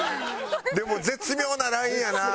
でも絶妙なラインやな。